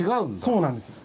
そうなんですよ。